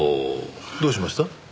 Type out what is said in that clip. どうしました？